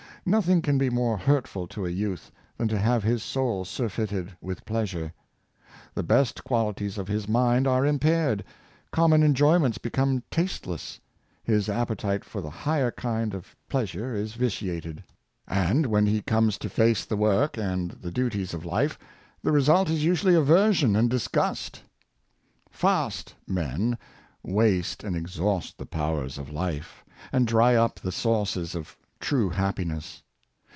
Nothing can be more hurtful to a youth than to have his soul surfeited with pleasure. The best qualities of his mind are im paired; common enjoyments become tasteless; his ap petite for the higher kind of pleasure is vitiated; and when he comes to face the work and the duties of life, the result is usually aversion and disgust. " Fast " men waste and exhaust the powers of life, and drv up the sources of true happinesss.